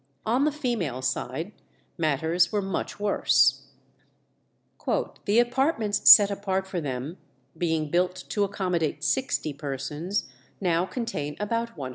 On the female side matters were much worse; "the apartments set apart for them, being built to accommodate 60 persons, now contain about 120."